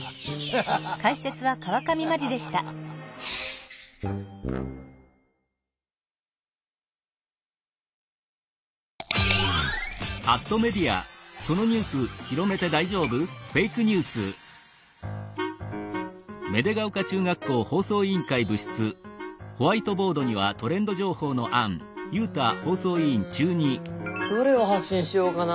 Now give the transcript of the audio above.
うんどれを発信しようかな？